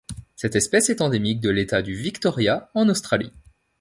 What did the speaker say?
Cette espèce est endémique de l'État du Victoria en Australie.